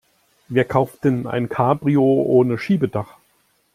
Wer kauft denn ein Cabrio ohne Schiebedach?